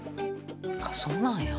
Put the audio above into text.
あっそうなんや。